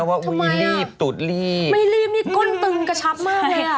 ไม่รีบนี่ก้นตึงกระชับมากเลย